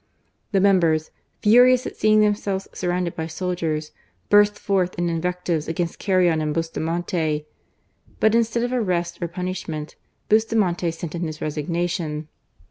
The members, furious at seeing themselves surrounded by soldiers, burst forth in invectives against Carrion and Bustamante. But instead of arrests or punishment, Bustamante sent in his resignation.